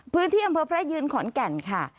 พื้นที่อำเภอพระยืนขอนแก่นค่ะ